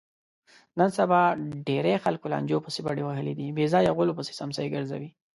نن سبا ډېری خلکو لانجو پسې بډې وهلي دي، بېځایه غولو پسې څمڅې ګرځوي.